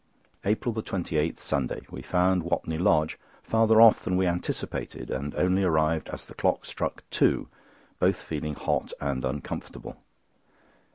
APRIL 28, Sunday.—We found Watney Lodge farther off than we anticipated, and only arrived as the clock struck two, both feeling hot and uncomfortable.